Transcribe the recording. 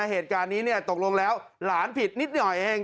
เหตุการณ์นี้ตกลงแล้วหลานผิดนิดหน่อยเอง